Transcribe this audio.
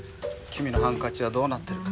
君のハンカチはどうなってるか。